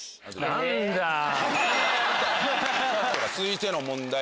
続いての問題